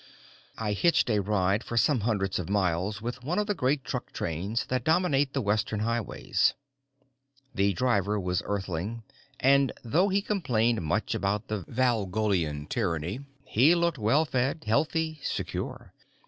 I hitched a ride for some hundreds of miles with one of the great truck trains that dominate the western highways. The driver was Earthling, and though he complained much about the Valgolian tyranny he looked well fed, healthy, secure.